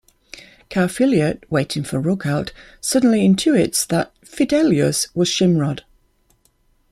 Carfilhiot, waiting for Rughalt, suddenly intuits that Fidelius was Shimrod.